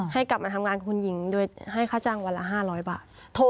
ให้กลับมาทำงานคุณหญิงโดยให้ค่าจ้างวันละ๕๐๐บาท